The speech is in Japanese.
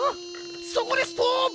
そこでストップ！